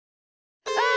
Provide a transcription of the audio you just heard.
ああ！